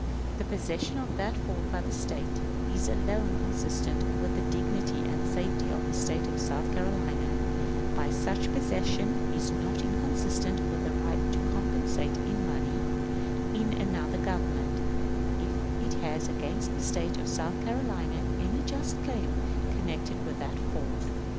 The possession of that fort by the State is alone consistent with the dignity and safety of the State of South Carolina; but such possession is not inconsistent with a right to compensation in money in another Government, if it has against the State of South Carolina any just claim connected with that fort.